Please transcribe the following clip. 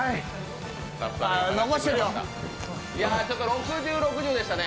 ６０、６０でしたね。